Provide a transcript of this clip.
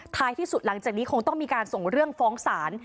ที่สุดหลังจากนี้คงต้องมีการส่งเรื่องฟ้องศาล